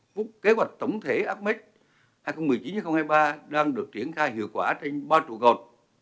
phúc kế hoạch tổng thể apec hai nghìn một mươi chín hai nghìn hai mươi ba đang được triển khai hiệu quả trên ba trụ gột